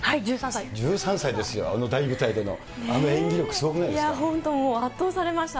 １３歳ですよ、あの大舞台での演技力、すごくないですか？